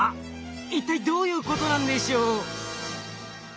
一体どういうことなんでしょう？